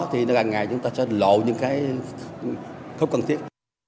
thì là ngày chúng ta sẽ lộ những cái không cần thiết